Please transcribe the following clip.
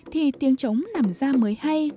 thì tiếng trống nằm da mới hay